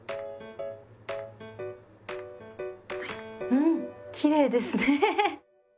うんきれいですね。